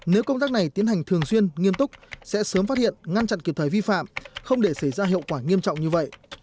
nếu công tác này tiến hành thường xuyên nghiêm túc sẽ sớm phát hiện ngăn chặn kịp thời vi phạm không để xảy ra hiệu quả nghiêm trọng như vậy